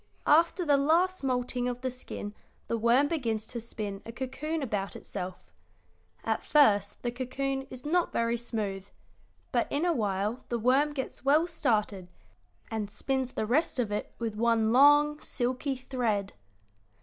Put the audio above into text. After the last moulting of the skin the worm begins to spin a cocoon about itself. At first the cocoon is not very smooth, but in a while the worm gets well started and spins the rest of it with one long, silky thread."